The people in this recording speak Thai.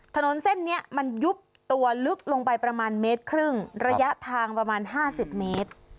ถนนเส้นนี้มันยุบตัวลึกลงไปประมาณเมตรครึ่งระยะทางประมาณ๕๐เมตร